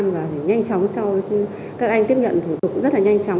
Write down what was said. và nhanh chóng sau đó các anh tiếp nhận thủ tục rất là nhanh chóng